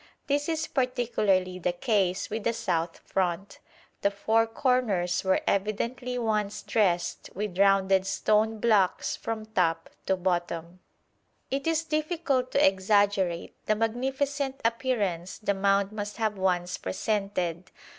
This is particularly the case with the south front. The four corners were evidently once dressed with rounded stone blocks from top to bottom. It is difficult to exaggerate the magnificent appearance the mound must have once presented.